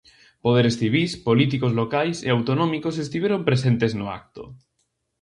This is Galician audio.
Poderes civís, políticos locais e autonómicos estiveron presentes no acto.